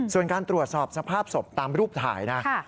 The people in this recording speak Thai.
ส่วนการตรวจสอบสภาพศพตามรูปถ่ายนะ